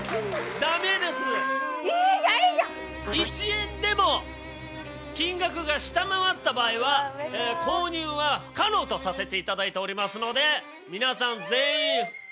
１円でも金額が下回った場合は購入は不可能とさせていただいておりますので皆さん全員購入ならずという事です！